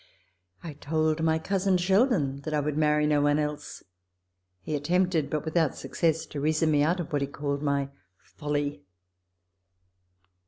I told my cousin Sheldon that I would marry no one else. He attempted, but without success, to reason me out of what he called my folly.